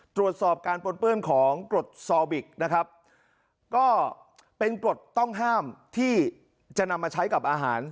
ตรวจสอบการปนเปื้อนของกรดซอบิกนะครับก็เป็นกรดต้องห้ามที่จะนำมาใช้กับอาหาร